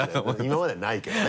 今までないけどね。